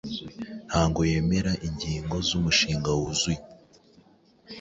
ntabwo yemera ingingo zumushinga wuzuye